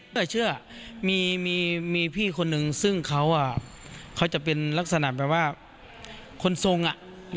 แต่เชื่อมีพี่คนนึงซึ่งเขาจะเป็นลักษณะแบบว่าคนทรงอ่ะ